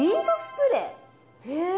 へえ。